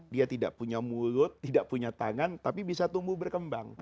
dia tidak punya mulut tidak punya tangan tapi bisa tumbuh berkembang